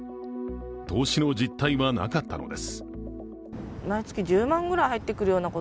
投資の実態はなかったのです。